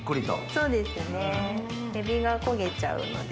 そうですねエビが焦げちゃうので。